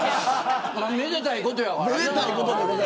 めでたいことやからな。